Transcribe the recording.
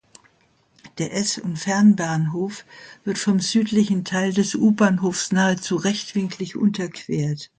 Der S- und Fernbahnhof wird vom südlichen Teil des U-Bahnhofs nahezu rechtwinklig unterquert.